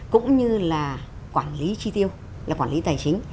cũng như là quản lý chi tiêu là quản lý tài chính